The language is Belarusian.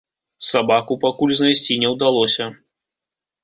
Сабаку пакуль знайсці не ўдалося.